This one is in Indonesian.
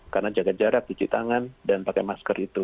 karena jaga jarak cuci tangan dan pakai masker itu